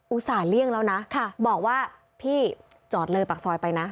ส่าห์เลี่ยงแล้วนะบอกว่าพี่จอดเลยปากซอยไปนะ